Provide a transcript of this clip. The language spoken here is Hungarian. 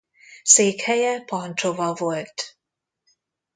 Székhelye Pancsova volt.